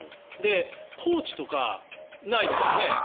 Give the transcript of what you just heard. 高知とか、ないですよね。